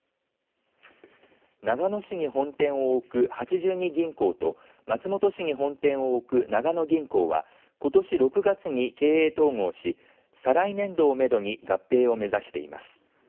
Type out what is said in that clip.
長野市に本店を置く八十二銀行と松本市に本店を置く長野銀行はことし６月に経営統合し再来年度をめどに合併を目指しています。